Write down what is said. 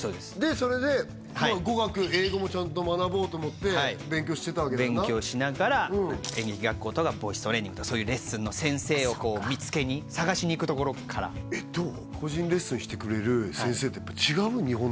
それで語学英語もちゃんと学ぼうと思って勉強してたわけだよな勉強しながら演劇学校とかボイストレーニングとかそういうレッスンの先生を見つけに探しにいくところからどう？